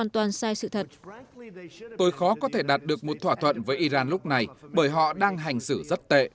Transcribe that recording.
tôi khó có thể đạt được một thỏa thuận với iran lúc này bởi họ đang hành xử rất tệ